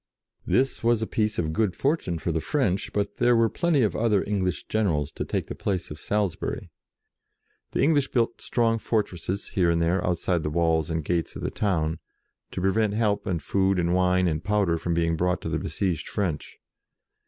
This was a piece of good fortune for the French, but there were plenty of other English generals to take the place of Salisbury. The English built strong for tresses here and there, outside the walls and gates of the town, to prevent help and food and wine and powder from being brought to the besieged French.